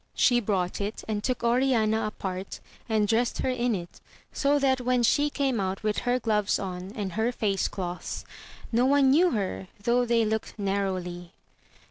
She brought it, and took Oriana apart and dressed her in it, so that when she came out with her gloves on, and her face cloths,* * Antifazes. AMADIS OF GAUL. 39 no one knew her, though they looked narrowly.